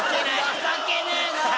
情けねえなぁ。